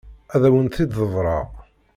Ad awen-t-id-ḍebbreɣ.